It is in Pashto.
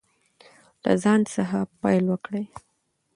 له ځان څخه پیل وکړئ.